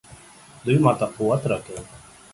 دوی ماته قوت راکوي.